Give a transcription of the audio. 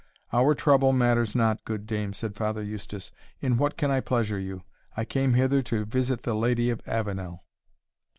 "Our trouble matters not, good dame," said Father Eustace; "in what can I pleasure you? I came hither to visit the Lady of Avenel."